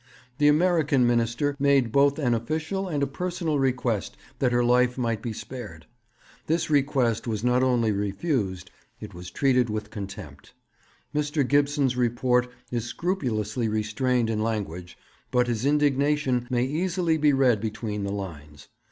The American Minister made both an official and a personal request that her life might be spared. This request was not only refused, it was treated with contempt. Mr. Gibson's report is scrupulously restrained in language, but his indignation may easily be read between the lines.